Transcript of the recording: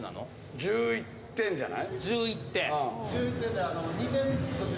１１点じゃない？